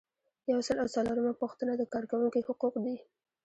یو سل او څلورمه پوښتنه د کارکوونکي حقوق دي.